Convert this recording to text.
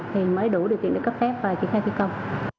thì mới đủ điều kiện để cấp phép và triển khai thi công